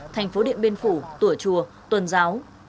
thành phố điện biên phủ tùa chùa tuần giáo